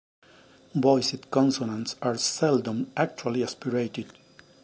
Voiced consonants are seldom actually aspirated.